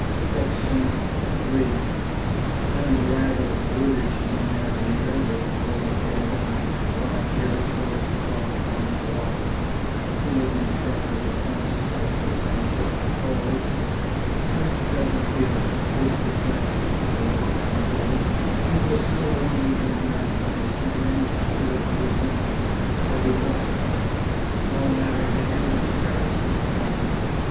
Section 3 When the rather brutish young aviator with the bullet head and the black hair close cropped en brosse, who was in charge of the French special scientific corps, heard presently of this disaster to the War Control, he was so wanting in imagination in any sphere but his own, that he laughed. Small matter to him that Paris was burning.